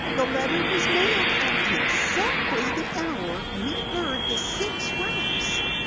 The letter was mailed at exactly the hour we heard the six raps!"